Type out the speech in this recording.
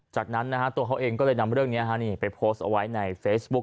จากนั้นตัวเขาเองก็เลยนำเรื่องนี้ไปโพสต์เอาไว้ในเฟซบุ๊ค